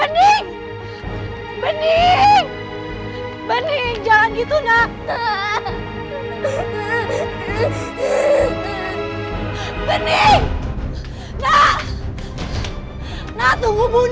dengar penjelasan bunda dulu sayang